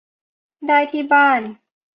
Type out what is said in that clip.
ได้ที่บ้าน